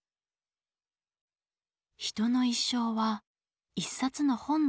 「人の一生は一冊の本のようだ。